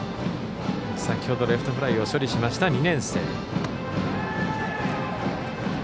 先ほどレフトフライを処理した２年生。